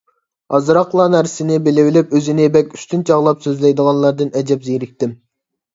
ئازراقلا نەرسىنى بىلىۋېلىپ ئۆزىنى بەك ئۈستۈن چاغلاپ سۆزلەيدىغانلاردىن ئەجەب زېرىكتىم.